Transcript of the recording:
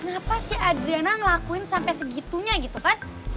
kenapa sih adriana ngelakuin sampai segitunya gitu kan